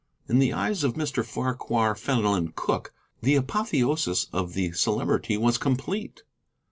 In the eyes of Mr. Farquhar Fenelon Cooke the apotheosis of the Celebrity was complete.